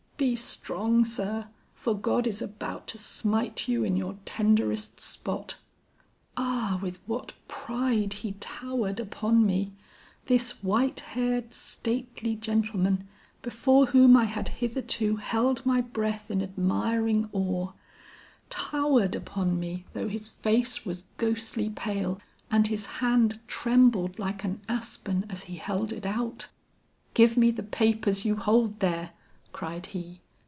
Be strong, sir, for God is about to smite you in your tenderest spot. "Ah, with what pride he towered upon me! this white haired, stately gentleman before whom I had hitherto held my breath in admiring awe; towered upon me though his face was ghostly pale and his hand trembled like an aspen as he held it out! "'Give me the papers you hold there,' cried he.